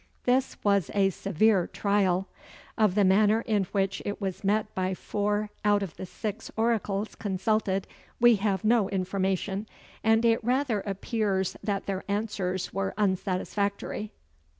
This was a severe trial: of the manner in which it was met by four out of the six oracles consulted we have no information, and it rather appears that their answers were unsatisfactory.